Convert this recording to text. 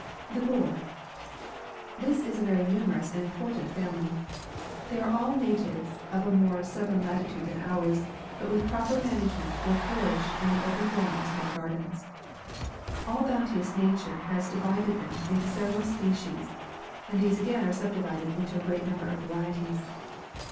THE GOURD. This is a very numerous and important fa mily. They are all natives of a more south ern latitude than ours, but with proper man agement, will flourish in the open grounds of our gardens. All bounteous nature has divided them in to several species, and these again are subdi vided into a great number of varieties.